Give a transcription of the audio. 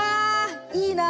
いいな。